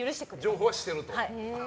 譲歩はしてると。